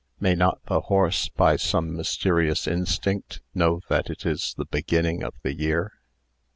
May not the horse, by some mysterious instinct, know that it is the beginning of the year?"